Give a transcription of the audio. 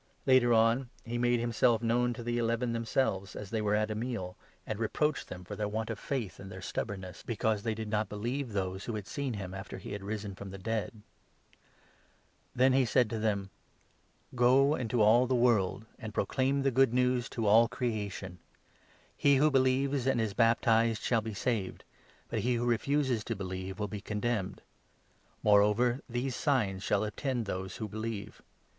Later on, he made himself known to the 14 Eleven themselves as they were at a meal, and reproached them with their want of faith and their stubbornness, because 40 MARK, 16. they did not believe those who had seen him after he had risen from the dead. Then he said to them : 15 " Go into all the world, and proclaim the Good News to all creation. He who believes and is baptized shall be saved ; 16 but he who refuses to believe will be condemned. More 17 over these signs shall attend those who believe.